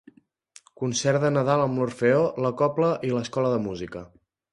Concert de Nadal amb l'Orfeó, la Cobla i l'Escola de Música.